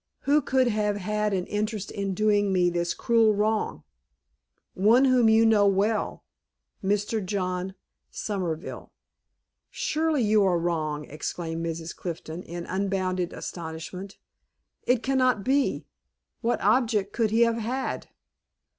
"Who could have had an interest in doing me this cruel wrong?" "One whom you know well, Mr. John Somerville." "Surely, you are wrong!" exclaimed Mrs. Clifton, in unbounded astonishment. "It cannot be. What object could he have had?"